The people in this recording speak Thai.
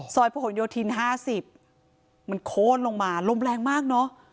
ซอยพระห่วงโยธินห้าสิบมันโค้นลงมาลมแรงมากเนอะ